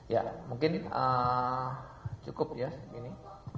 ya mungkin cukup ya ini